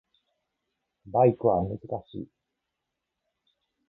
バイクは難しい